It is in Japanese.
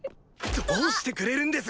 どうしてくれるんです！